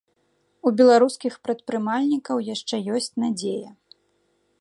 У беларускіх прадпрымальнікаў яшчэ ёсць надзея.